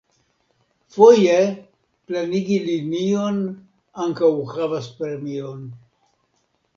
Foje, plenigi linion ankaŭ havas premion.